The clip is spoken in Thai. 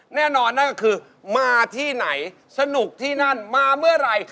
แน่นอนนั่นก็คือมาที่ไหนสนุกที่นั่นมาเมื่อไหร่